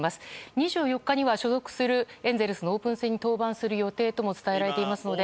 ２４日には所属するエンゼルスのオープン戦に登板する予定とも伝えられていますので。